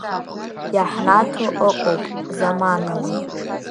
Иаҳнаҭо ыҟоуп заманала.